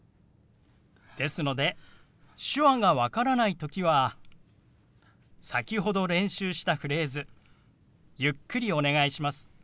ですので手話が分からない時は先ほど練習したフレーズ「ゆっくりお願いします」